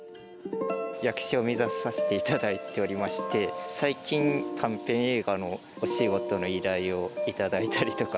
役者を目指させていただいておりまして、最近、短編映画のお仕事の依頼を頂いたりとか。